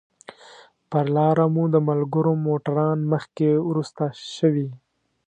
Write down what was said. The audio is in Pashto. پر لاره مو د ملګرو موټران مخکې وروسته شوي.